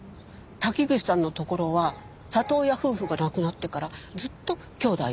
滝口さんのところは里親夫婦が亡くなってからずっと兄妹２人で。